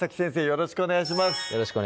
よろしくお願いします